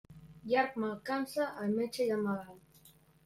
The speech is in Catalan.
Llarg mal cansa el metge i el malalt.